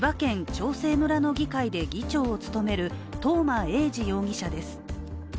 長生村の議会で議長を務める、東間永次容疑者です。